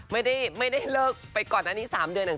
ไม่ได้เลิกไปก่อนอันนี้๓เดือน